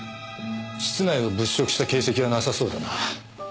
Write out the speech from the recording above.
室内を物色した形跡はなさそうだな。